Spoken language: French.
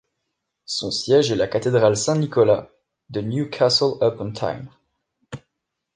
Son siège est la Cathédrale Saint-Nicolas de Newcastle-upon-Tyne.